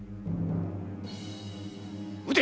撃て！